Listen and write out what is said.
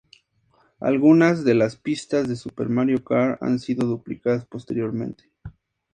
Algunas de las pistas de "Super Mario Kart" han sido duplicadas posteriormente.